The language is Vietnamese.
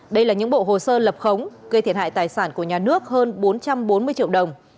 đây là những bộ hồ sơ lập khống gây thiệt hại tài sản của nhà nước hơn bốn trăm bốn mươi triệu đồng